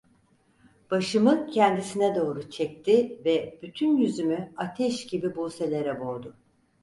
Başımı kendisine doğru çekti ve bütün yüzümü ateş gibi buselere boğdu.